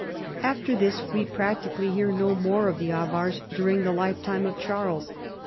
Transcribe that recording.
After this we practically hear no more of the Avars during the lifetime of Charles.